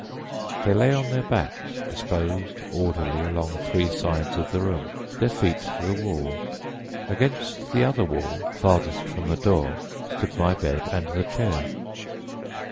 "They lay on their backs, disposed orderly along three sides of the room, their feet to the walls—against the other wall, farthest from the door, stood my bed and the chair.